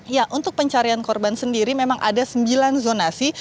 ya untuk pencarian korban sendiri memang ada sembilan zonasi